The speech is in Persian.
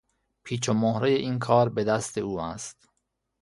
پیچ و مهرهٔ این کار به دست او است.